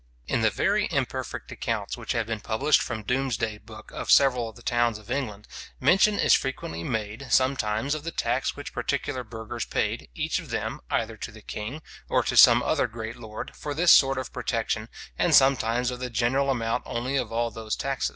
In the very imperfect accounts which have been published from Doomsday book, of several of the towns of England, mention is frequently made, sometimes of the tax which particular burghers paid, each of them, either to the king, or to some other great lord, for this sort of protection, and sometimes of the general amount only of all those taxes.